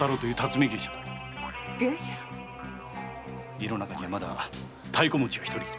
家の中にはまだ太鼓もちが一人居る。